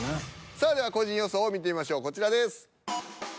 さあでは個人予想を見てみましょうこちらです。